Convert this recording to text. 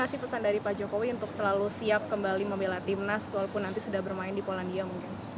walaupun nanti sudah bermain di polandia mungkin